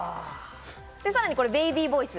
さらにこれ、ベイビーボイス。